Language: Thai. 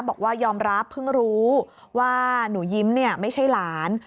บอกว่ายอมรับเพิ่งรู้ว่าหนูยิ้มไม่ใช่หลาน